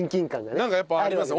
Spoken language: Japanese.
なんかやっぱありますね。